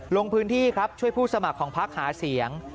ลงพื้นที่ครับช่วยผู้สมัครของพักหาเสียง